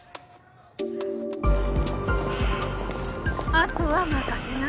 あとは任せな。